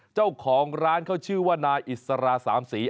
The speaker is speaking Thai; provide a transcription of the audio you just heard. เจ้าของร้านเขาชื่อว่านายอิสระสามศรี